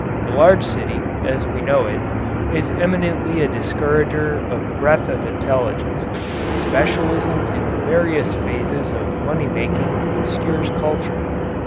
The large city, as we know it, is eminently a discourager of breadth of intelligence. Specialism in the various phases of money making obscures culture.